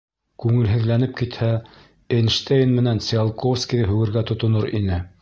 Күңелһеҙләнеп китһә, Эйнштейн менән Циолковскийҙы һүгергә тотонор ине.